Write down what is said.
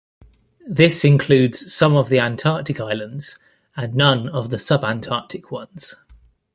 This includes some of the Antarctic islands and none of the subantarctic ones.